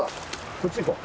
こっち行こう。